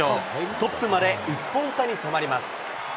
トップまで１本差に迫ります。